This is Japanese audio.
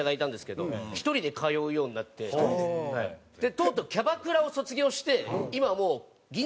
とうとうキャバクラを卒業して今もう銀座のクラブに。